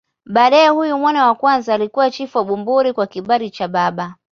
Baadaye huyu mwana wa kwanza alikuwa chifu wa Bumbuli kwa kibali cha baba.